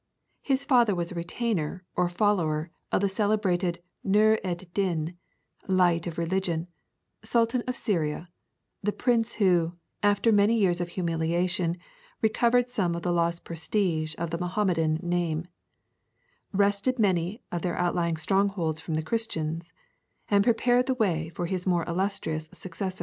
His father was a retainer or follower of the celebrated Nûr ed Din (Light of Religion), Sultan of Syria, the prince who, after many years of humiliation, recovered some of the lost prestige of the Mohammedan name, wrested many of their outlying strongholds from the Christians, and prepared the way for his more illustrious successor.